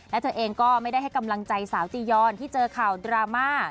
และเธอเองก็ไม่ได้ให้กำลังใจสาวจียอนที่เจอข่าวดราม่า